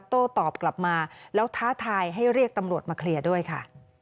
โต้ตอบกลับมาแล้วท้าทายให้เรียกตำรวจมาเคลียร์ด้วยค่ะ